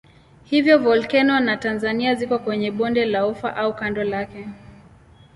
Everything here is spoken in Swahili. Hivyo volkeno za Tanzania ziko kwenye bonde la Ufa au kando lake.